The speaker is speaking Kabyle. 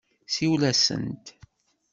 Siwel-asent.